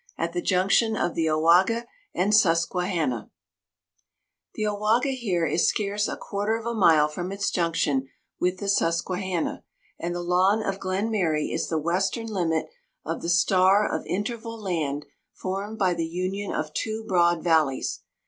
(AT THE JUNCTION OF THE OWAGA AND SUSQUEHANNA.) The Owaga here is scarce a quarter of a mile from its junction with the Susquehanna, and the lawn of Glenmary is the western limit of the star of interval land formed by the union of two broad valleys.